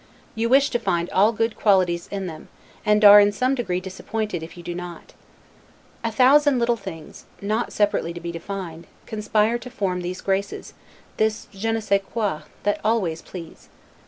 You wish to find all good qualities in them, and are in some degree disappointed if you do not. A thousand little things, not separately to be defined, conspire to form these graces, this je ne sais quoi, that always please.